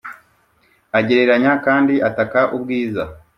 agereranya kandi ataka ubwiza